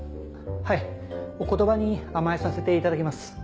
はいお言葉に甘えさせていただきます。